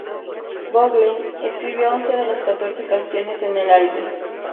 Bohlen escribió once de las catorce canciones en el álbum.